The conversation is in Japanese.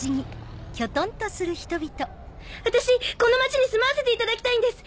私この町に住まわせていただきたいんです。